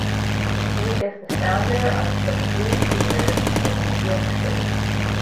He is the founder of The Flea Theater in New York City.